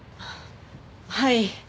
はい。